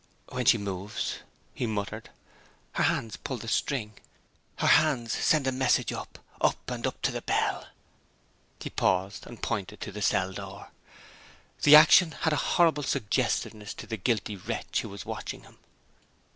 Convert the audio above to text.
"When she moves," he muttered, "her hands pull the string. Her hands send a message up: up and up to the bell." He paused, and pointed to the cell door. The action had a horrible suggestiveness to the guilty wretch who was watching him.